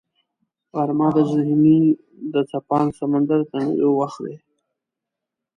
غرمه د ذهن د څپاند سمندر تمېدو وخت دی